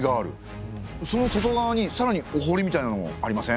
その外側にさらにおほりみたいなのありません？